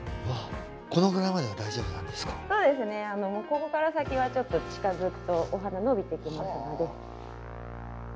ここから先はちょっと近づくとお鼻伸びてきますので。